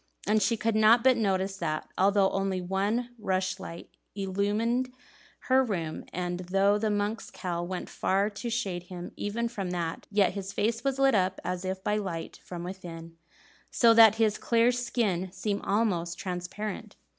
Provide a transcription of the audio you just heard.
And she could not but notice that, although only one rushlight illumined her room, and though the monk's cowl went far to shade him even from that, yet his face was lit up as if by light from within, so that his clear skin seemed almost transparent.